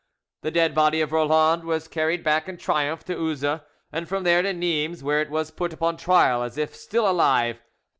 The dead body of Roland was carried back in triumph to Uzes, and from there to Nimes, where it was put upon trial as if still alive.